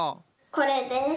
これです。